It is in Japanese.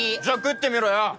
じゃあ食ってみろよ！